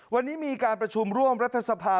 วันนี้มีการประชุมร่วมรัฐสภา